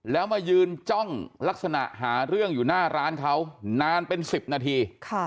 แล้วมายืนจ้องลักษณะหาเรื่องอยู่หน้าร้านเขานานเป็น๑๐นาที